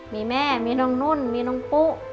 มีแม่มีน้องนุ่นมีน้องปุ๊